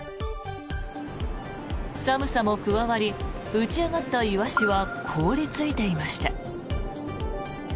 寒さも加わり打ち上がったイワシは凍りついていました。